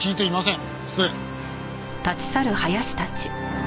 失礼。